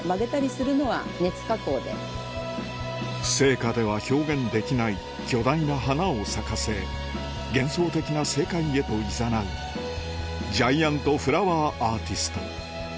生花では表現できない巨大な花を咲かせ幻想的な世界へといざなうジャイアントフラワーアーティスト